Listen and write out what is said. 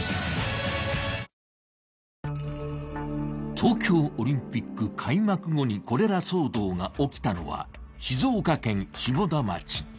東京オリンピック開幕後にコレラ騒動が起きたのは静岡県下田町。